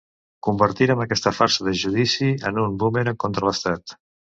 Convertirem aquesta farsa de judici en un bumerang contra l’estat.